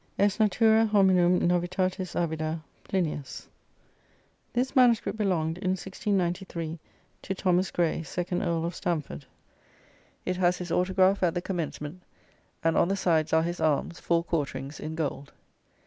Est natura hominum novitatis avida. Plinius. "This MS. belonged, in 1693, to Thomas Grey, second Earl of Stamford. It has his autograph at the commencement, and on the sides are his arms (four quarterings) in gold.